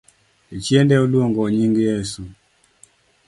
Jochiende oluoro nying Yeso